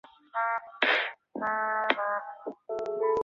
这将是人类已知的第一个共同轨道的行星。